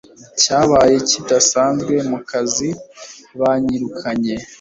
cyabaye kidasanzwe mukazi Banyirukanye